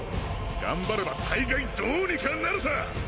頑張れば大概どうにかなるさ！！